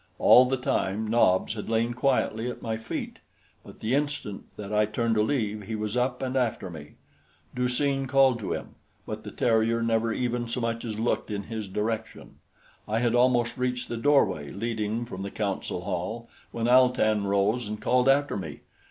All the time Nobs had lain quietly at my feet; but the instant that I turned to leave, he was up and after me. Du seen called to him; but the terrier never even so much as looked in his direction. I had almost reached the doorway leading from the council hall when Al tan rose and called after me.